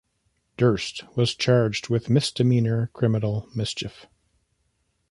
Durst was charged with misdemeanor criminal mischief.